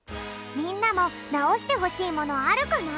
みんなもなおしてほしいものあるかな？